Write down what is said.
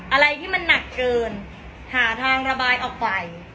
อะไรที่มันหนักเกินหาทางระบายออกไป